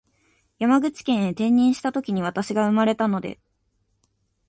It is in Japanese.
山口県へ転任したときに私が生まれたので